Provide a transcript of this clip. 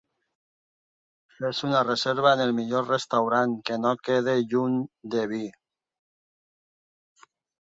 Fes una reserva en el millor restaurant que no quedi lluny de VI